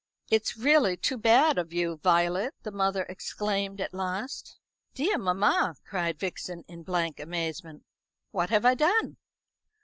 "It's really too bad of you, Violet," the mother exclaimed at last. "Dear mamma," cried Vixen, in blank amazement, "what have I done?"